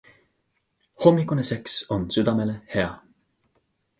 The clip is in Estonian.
Hommikune seks on südamele hea.